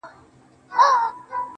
• چي له بې ميني ژونده.